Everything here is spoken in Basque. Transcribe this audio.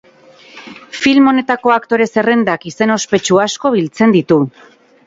Film honetako aktore zerrendak izen ospetsu asko biltzen ditu.